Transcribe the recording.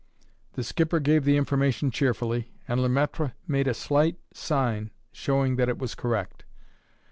The skipper gave the information cheerfully, and Le Maître made a slight sign showing that it was correct.